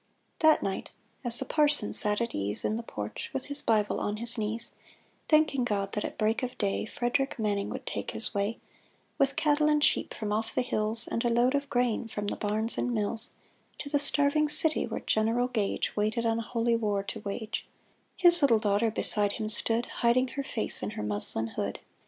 That night, as the parson sat at ease In the porch, with his Bible on his knees, (Thanking God that at break of day Frederic Manning would take his way, With cattle and sheep from off the hills, And a load of grain from the barns and mills, To the starving city where General Gage Waited unholy war to wage), His little daughter beside him stood, Hiding her face in her muslin hood.